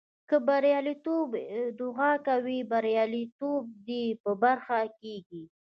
که د برياليتوب ادعا کوې برياليتوب دې په برخه کېږي.